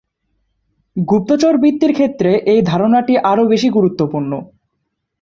গুপ্তচরবৃত্তির ক্ষেত্রে এই ধারণাটি আরও বেশি গুরুত্বপূর্ণ।